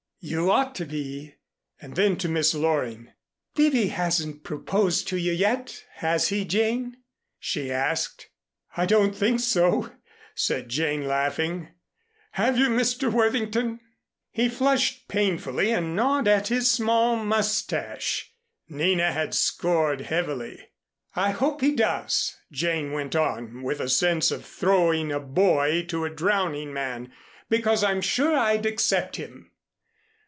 "You ought to be." And then to Miss Loring, "Bibby hasn't proposed to you yet, has he, Jane," she asked. "I don't think so," said Jane laughing. "Have you, Mr. Worthington?" He flushed painfully and gnawed at his small mustache. Nina had scored heavily. "I hope he does," Jane went on with a sense of throwing a buoy to a drowning man, "because I'm sure I'd accept him."